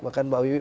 bahkan mbak wiwi